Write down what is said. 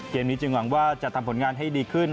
เกมนี้จึงหวังว่าจะทำผลงานให้ดีขึ้น